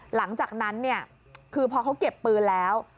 หลังจากนั้นเนี่ยคือพอเขาเก็บปืนแล้ว